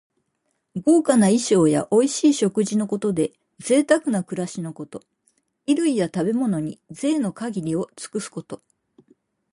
豪華な衣装やおいしい食事のことで、ぜいたくな暮らしのこと。衣類や食べ物に、ぜいの限りを尽くすこと。